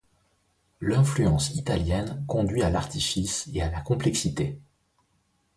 L'influence italienne conduit à l'artifice et à la complexité.